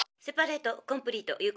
「セパレートコンプリート。